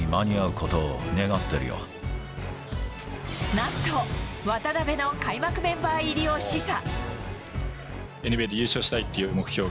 何と渡邊の開幕メンバー入りを示唆。